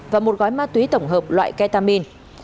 và một gói ma túy tổng hợp loại ketamine